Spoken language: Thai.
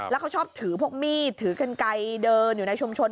แล้วเขาชอบถือพวกมีดถือกันไกลเดินอยู่ในชุมชน